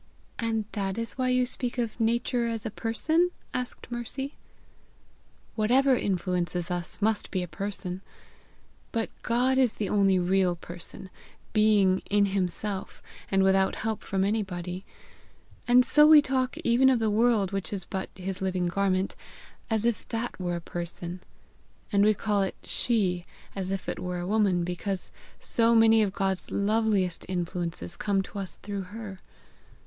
"And that is why you speak of Nature as a person?" asked Mercy. "Whatever influences us must be a person. But God is the only real person, being in himself, and without help from anybody; and so we talk even of the world which is but his living garment, as if that were a person; and we call it SHE as if it were a woman, because so many of God's loveliest influences come to us through her.